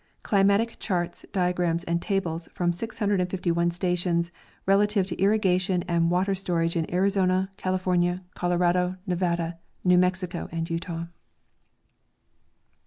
Climatic charts, diagrams and tables from 651 stations relative to irrigation and water storage in Arizona, California, Colorado, Nevada, New Mexico and Utah.